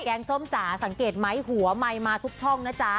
งส้มจ๋าสังเกตไหมหัวไมค์มาทุกช่องนะจ๊ะ